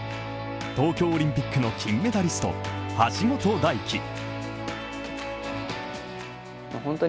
東京オリンピックの金メダリスト橋本大輝。